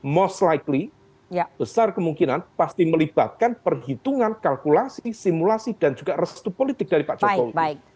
most likely besar kemungkinan pasti melibatkan perhitungan kalkulasi simulasi dan juga restu politik dari pak jokowi